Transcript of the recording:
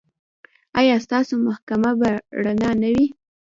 ایا ستاسو محکمه به رڼه نه وي؟